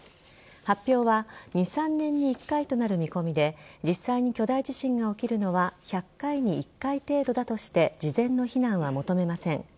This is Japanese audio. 発表は２３年に１回となる見込みで実際に巨大地震が起きるのは１００回に１回程度だとして事前の避難は求めません。